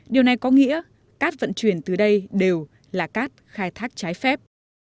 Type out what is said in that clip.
điều này có nghĩa cát vận chuyển từ đây đều là cát khai thác trái phép